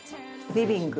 リビング。